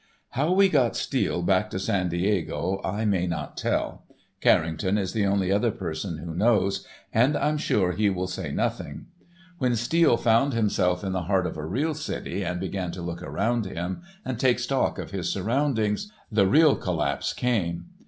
How we got Steele back to San Diego I may not tell. Carrington is the only other person who knows, and I'm sure he will say nothing. When Steele found himself in the heart of a real city and began to look about him, and take stock of his surroundings, the real collapse came.